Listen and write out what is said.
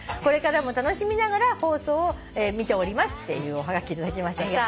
これからも楽しみながら放送を見ております」っていうおはがき頂きました。